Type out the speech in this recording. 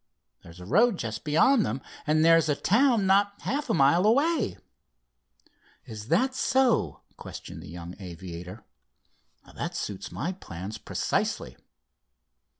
There's a road just beyond them, and there's a town not half a mile away." "Is that so?" questioned the young aviator. "That suits my plans precisely."